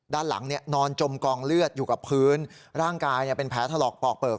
ด้านหลังนอนจมกองเลือดอยู่กับพื้นร่างกายเป็นแผลถลอกปอกเปลือก